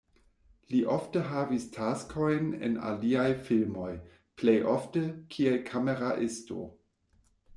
Li ofte havis taskojn en aliaj filmoj, plej ofte, kiel kameraisto.